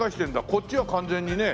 こっちは完全にね。